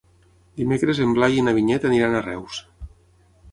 Dimecres en Blai i na Vinyet aniran a Reus.